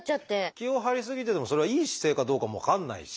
気を張り過ぎててもそれはいい姿勢かどうかも分かんないし。